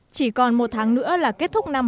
chỉ còn một tháng nữa là kết thúc năm hai nghìn hai